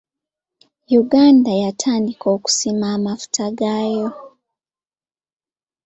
Uganda yatandika okusima amafuta gaayo.